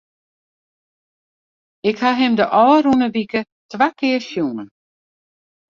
Ik ha him de ôfrûne wike twa kear sjoen.